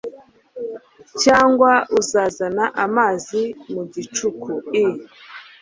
cyangwa uzazana amazi mu gicuku? i